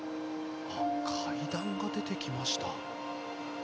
階段が出てきました。